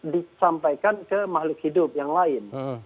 disampaikan ke makhluk hidup yang lain